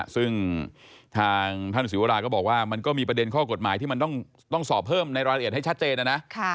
ซึ่งทางท่านศิวราก็บอกว่ามันก็มีประเด็นข้อกฎหมายที่มันต้องสอบเพิ่มในรายละเอียดให้ชัดเจนนะนะ